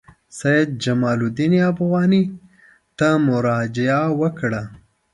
سید جمال الدین افغاني ته مراجعه وکړه.